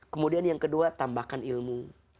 kemudian yang kedua tambahkan ilmu